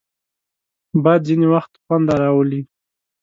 باد ځینې وخت خوند راولي